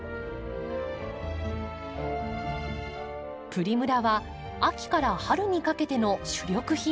プリムラは秋から春にかけての主力品目。